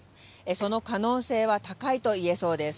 その可能性は高いと言えそうです。